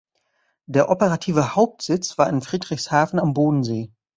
Der operative Hauptsitz war in Friedrichshafen am Bodensee.